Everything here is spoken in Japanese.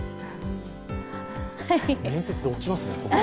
面接で落ちますね。